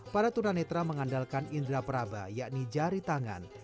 para tunanetra mengandalkan indera peraba yakni jari tangan